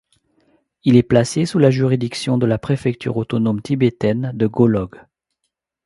Il est placé sous la juridiction de la préfecture autonome tibétaine de Golog.